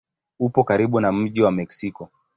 Upo karibu na mji wa Meksiko.